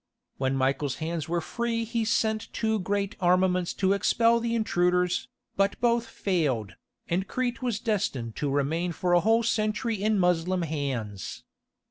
When Michael's hands were free he sent two great armaments to expel the intruders, but both failed, and Crete was destined to remain for a whole century in Moslem hands.